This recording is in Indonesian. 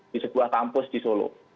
di sebuah kampus di solo